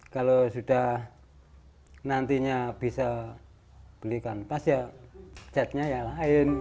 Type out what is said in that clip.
kalau sudah nantinya bisa belikan pas ya catnya ya lain